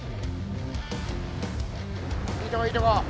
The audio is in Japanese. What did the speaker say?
いいとこいいとこ。